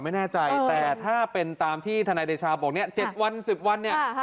ไม่แน่ใจแต่ถ้าเป็นตามที่ทนายเดชาบอกเนี่ย๗วัน๑๐วันเนี่ย